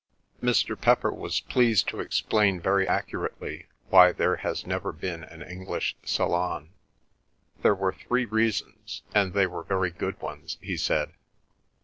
Mr. Pepper was pleased to explain very accurately why there has never been an English salon. There were three reasons, and they were very good ones, he said.